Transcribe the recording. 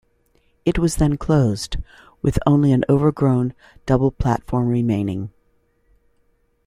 It was then closed, with only an overgrown double-platform remaining.